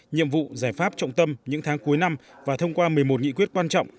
nhiệm vụ giải pháp trọng tâm những tháng cuối năm và thông qua một mươi một nghị quyết quan trọng